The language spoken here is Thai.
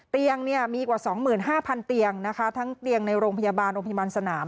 เตียงมีกว่า๒๕๐๐เตียงนะคะทั้งเตียงในโรงพยาบาลโรงพยาบาลสนาม